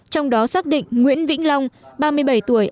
trong đó xác định nguyễn vĩnh long ba mươi bảy tuổi